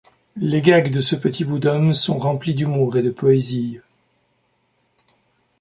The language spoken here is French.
Les gags de ce petit bout d'homme sont remplis d'humour et de poésie.